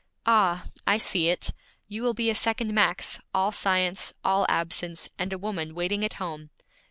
'Ah, I see it: you will be a second Max all science, all absence, and a woman waiting at home!